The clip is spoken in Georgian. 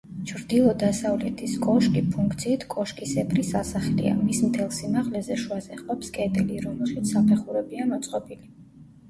ჩრდილო-დასავლეთის კოშკი ფუნქციით კოშკისებრი სასახლეა, მის მთელ სიმაღლეზე შუაზე ჰყოფს კედელი, რომელშიც საფეხურებია მოწყობილი.